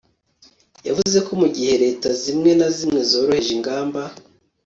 yavuze ko mu gihe leta zimwe na zimwe zoroheje ingamba